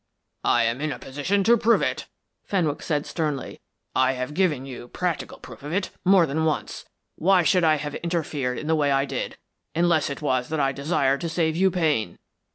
"I am in a position to prove it," Fenwick said sternly. "I have given you practical proof of it, more than once. Why should I have interfered in the way I did, unless it was that I desired to save you pain?